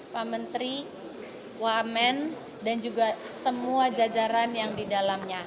pak menteri wa amen dan juga semua jajaran yang didalamnya